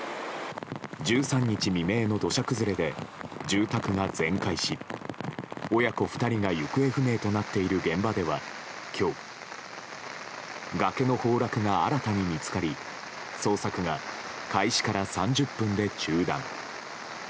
１３日未明の土砂崩れで住宅が全壊し親子２人が行方不明となっている現場では今日崖の崩落が新たに見つかり捜索が開始から３０分で中断。